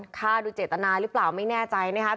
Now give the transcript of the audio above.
ฆ่าโดยเจตนาหรือเปล่าไม่แน่ใจนะครับ